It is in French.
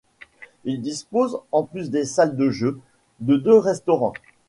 Il dispose, en plus des salles de jeux, de deux restaurants.